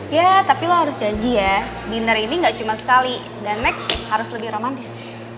ya tapi lo harus janji ya dinner ini gak cuma sekali dan next harus lebih romantis